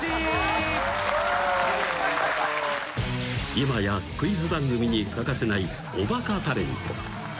［今やクイズ番組に欠かせないおバカタレント］